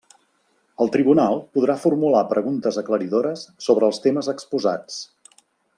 El tribunal podrà formular preguntes aclaridores sobre els temes exposats.